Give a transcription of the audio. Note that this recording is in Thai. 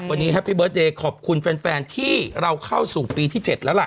วันนี้แฮปปี้เบิร์ตเดย์ขอบคุณแฟนที่เราเข้าสู่ปีที่๗แล้วล่ะ